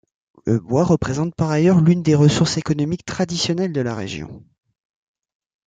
Le bois représente par ailleurs l'une des ressources économiques traditionnelles de la région.